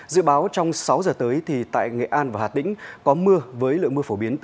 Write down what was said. dự báo trong sáu giờ tới thì tại nghệ an và hà tĩnh có mưa với lượng mưa phổ biến từ bốn mươi